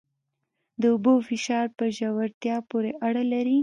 د اوبو فشار په ژورتیا پورې اړه لري.